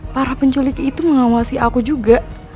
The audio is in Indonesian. para penculik itu mengawasi aku juga